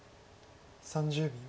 ３０秒。